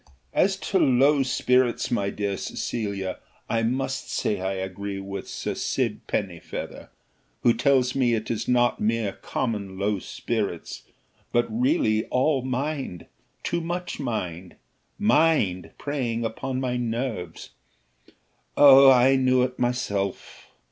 "As to low spirits, my dear Cecilia, I must say I agree with Sir Sib Pennyfeather, who tells me it is not mere common low spirits, but really all mind, too much mind; mind preying upon my nerves. Oh! I knew it myself.